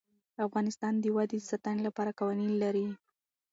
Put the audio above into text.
افغانستان د وادي د ساتنې لپاره قوانین لري.